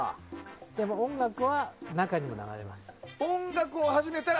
音楽は中でも流れます。